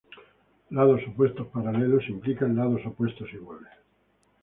Lados opuestos paralelos implican lados opuestos iguales.